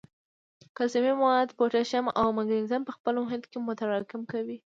کلسیمي مواد، پوټاشیم او مګنیزیم په خپل محیط کې متراکم کوي.